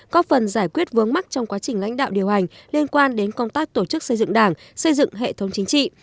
có phần giải quyết vướng mắc trong quá trình lãnh đạo điều hành liên quan đến công tác tổ chức xây dựng đảng xây dựng hệ thống chính trị